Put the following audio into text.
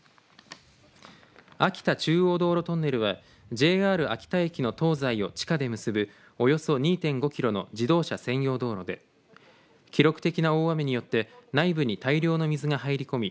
秋田中央道路トンネルはＪＲ秋田駅の東西を地下で結ぶおよそ２．５キロの自動車専用道路で記録的な大雨によって内部に大量の水が入り込み